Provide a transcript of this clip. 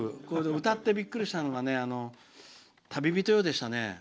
歌ってびっくりしたのが「旅人よ」でしたね。